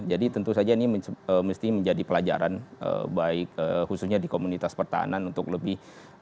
jadi tentu saja ini mesti menjadi pelajaran baik khususnya di komunitas pertahanan untuk lebih